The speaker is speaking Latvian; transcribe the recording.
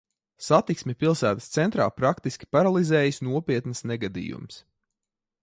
Satiksmi pilsētas centrā praktiski paralizējis nopietns negadījums.